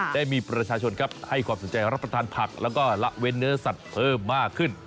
ได้มีประชาชนครับให้ความสนใจรับประทานผักแล้วก็ละเว้นเนื้อสัตว์เพิ่มมากขึ้น